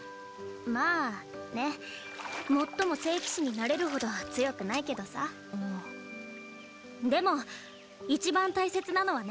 まあねもっとも聖騎士になれるほど強くないけどさでも一番大切なのはね